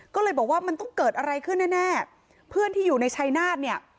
ก็เลยบอกว่ามันต้องเกิดอะไรขึ้นแน่แน่เพื่อนที่อยู่ในชายนาฏเนี่ย